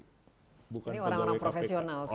ini orang orang profesional